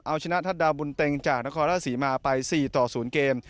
เอาชนะทัศดาบุญเต็งจากนครราชศรีมาไป๔ต่อ๐เกม